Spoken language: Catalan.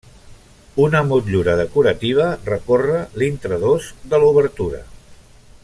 Una motllura decorativa recorre l'intradós de l'obertura.